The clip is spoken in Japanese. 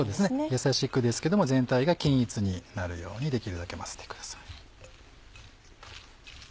やさしくですけども全体が均一になるようにできるだけ混ぜてください。